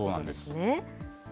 そうなんです。